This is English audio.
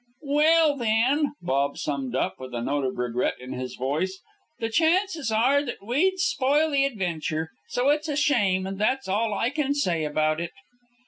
"Well, then," Paul summed up, with a note of regret in his voice, "the chances are that we'd spoil the adventure. So it's a shame, and that's all I can say about it."